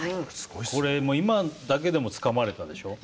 これ今だけでもつかまれたでしょ？